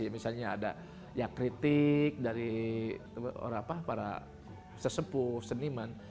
misalnya ada yang kritik dari orang apa para sesepuh seniman